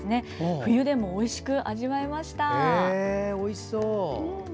冬でもおいしく味わえました。